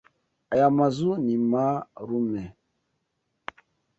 Aya mazu ni marume.